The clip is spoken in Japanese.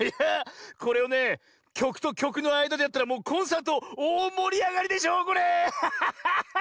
これをねきょくときょくのあいだでやったらもうコンサートおおもりあがりでしょうこれ。